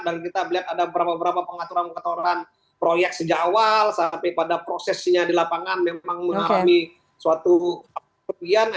dan kita lihat ada beberapa berapa pengaturan pengaturan proyek sejak awal sampai pada prosesnya di lapangan memang mengalami suatu kerugian